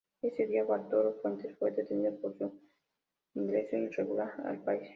Ese día, Bartolo Fuentes fue detenido por su ingreso irregular al país.